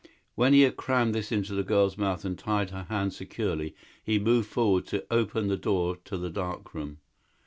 When he had crammed this in the girl's mouth and tied her hands securely, he moved forward to open the door to the dark room.